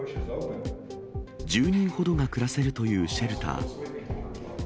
１０人ほどが暮らせるというシェルター。